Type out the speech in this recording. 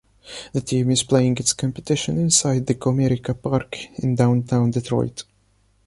The team is playing its competition inside the Comerica Park in downtown Detroit.